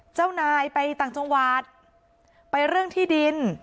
เจ้านายไปต่างจังหวัดไปเรื่องที่ดิน